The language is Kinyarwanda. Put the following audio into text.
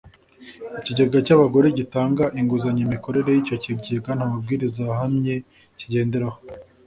ikigega cy’ abagore gitanga inguzanyo Imikorere y’ icyo kigega nta mabwiriza ahamye k’igenderaho